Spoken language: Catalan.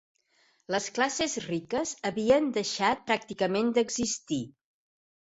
Les classes riques havien deixat pràcticament d'existir.